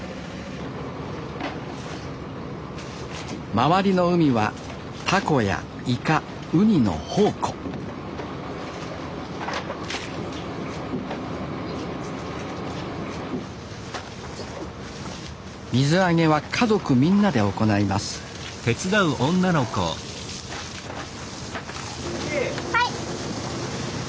周りの海はタコやイカウニの宝庫水揚げは家族みんなで行いますはい。